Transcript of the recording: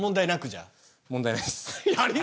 問題ないっす。